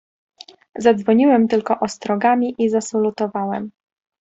"Zadzwoniłem tylko ostrogami i zasalutowałem."